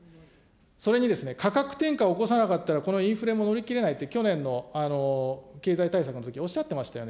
それにですね、価格転嫁を起こさなかったらこのインフレも乗り切れないって、去年の経済対策のときおっしゃってましたよね。